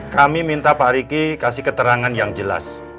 kami minta pak riki kasih keterangan yang jelas